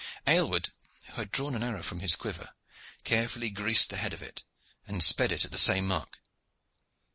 Aylward, who had drawn an arrow from his quiver, carefully greased the head of it, and sped it at the same mark.